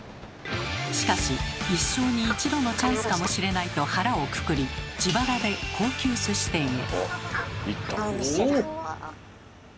しかし一生に一度のチャンスかもしれないと腹をくくりうわすごい。